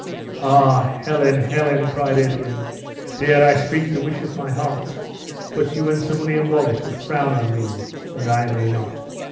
"Ah, Helen! Helen!" cried Edwin; "dare I speak the wish of my heart! But you and Sir William Wallace would frown on me, and I may not!"